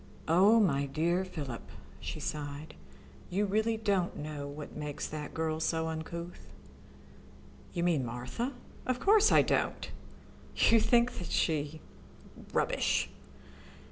"Oh, my dear Philip," she sighed, "you really don't know what makes that girl so uncouth?" "You mean Martha? Of course I don't. You think that she ... Rubbish!"